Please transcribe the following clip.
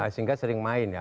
sehingga sering main ya